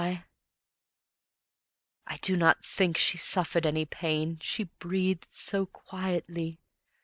I do not think she suffered any pain, She breathed so quietly